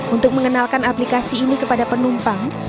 untuk mengenalkan aplikasi ini kepada penumpang